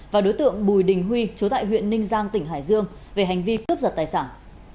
và đối tượng bùi đình huy chú tại huyện ninh giang tỉnh hải dương về hành vi cướp giật tài sản